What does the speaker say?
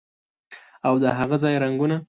او د هاغه ځای رنګونه